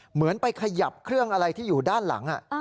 เหมือนไปขยับเครื่องอะไรที่อยู่ด้านหลัง